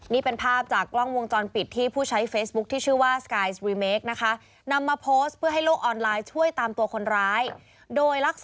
นี่เป็นภาพจากกล้องวงจรปิด